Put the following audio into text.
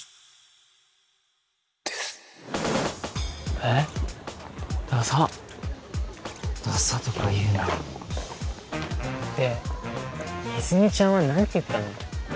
えっダサッダサとか言うなで泉ちゃんは何て言ったの？